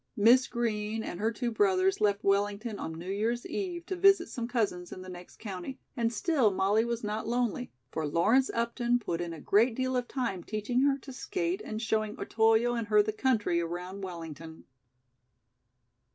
Miss Green and her two brothers left Wellington on New Year's Eve to visit some cousins in the next county, and still Molly was not lonely, for Lawrence Upton put in a great deal of time teaching her to skate and showing Otoyo and her the country around Wellington.